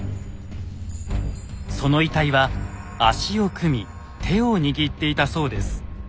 その遺体は足を組み手を握っていたそうです。